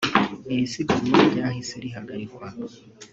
iri siganwa ryahise rihagarikwa